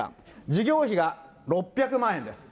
事業費が６００万円です。